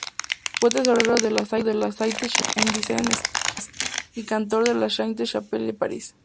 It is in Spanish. Fue tesorero de la Sainte-Chapelle en Vincennes, y cantor de la Sainte-Chapelle de París.